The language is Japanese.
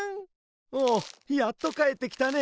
おおやっとかえってきたね。